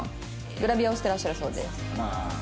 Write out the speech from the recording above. グラビアをしてらっしゃるそうです。